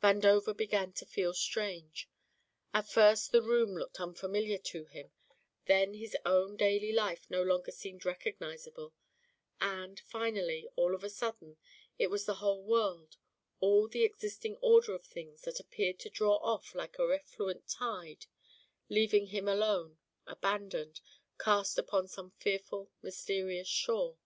Vandover began to feel strange. At first the room looked unfamiliar to him, then his own daily life no longer seemed recognizable, and, finally, all of a sudden, it was the whole world, all the existing order of things, that appeared to draw off like a refluent tide, leaving him alone, abandoned, cast upon some fearful, mysterious shore.